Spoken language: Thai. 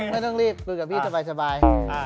ไม่ต้องรีบคุยกับพี่สบาย